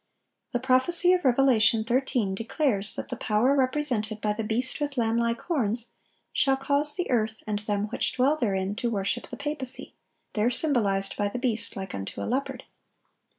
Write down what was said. The prophecy of Revelation 13 declares that the power represented by the beast with lamb like horns shall cause "the earth and them which dwell therein" to worship the papacy—there symbolized by the beast "like unto a leopard."